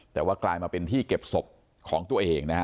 แต่ว่ากลายมาเป็นที่เก็บศพของตัวเองนะฮะ